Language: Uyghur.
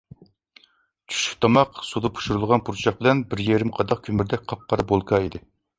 چۈشلۈك تاماق سۇدا پىشۇرۇلغان پۇرچاق بىلەن بىر يېرىم قاداق كۆمۈردەك قاپقارا بولكا ئىدى.